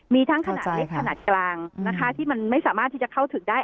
มีทั้งขนาดเล็กขนาดกลางนะคะที่มันไม่สามารถที่จะเข้าถึงได้